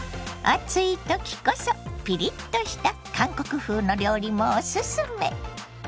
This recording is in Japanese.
暑い時こそピリッとした韓国風の料理もおすすめ。